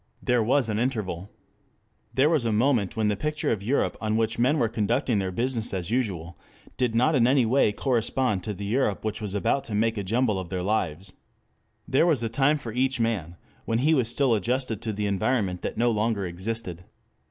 There was an interval. There was a moment when the picture of Europe on which men were conducting their business as usual, did not in any way correspond to the Europe which was about to make a jumble of their lives. There was a time for each man when he was still adjusted to an environment that no longer existed.